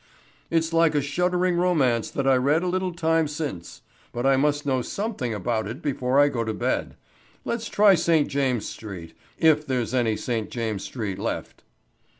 "It's like a shuddering romance that I read a little time since. But I must know something about it before I go to bed. Let's try St. James's Street if there's any St. James's Street left."